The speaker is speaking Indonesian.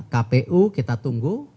kpu kita tunggu